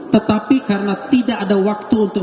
tetapi karena tidak ada waktu untuk